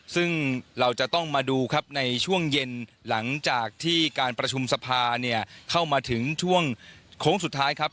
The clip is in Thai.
ซึ่งเราจะต้องมาดูครับในช่วงเย็นหลังจากที่การประชุมสภาเนี่ยเข้ามาถึงช่วงโค้งสุดท้ายครับ